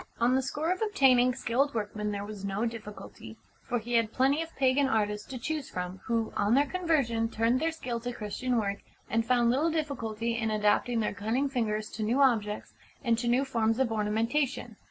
On the score of obtaining skilled workmen there was no difficulty, for he had plenty of pagan artists to choose from, who, on their conversion, turned their skill to Christian work, and found little difficulty in adapting their cunning fingers to new objects and to new forms of ornamentation.